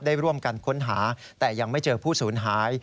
ได้ร่วมกันค้นหาแต่ยังไม่เจอผู้สูญหาย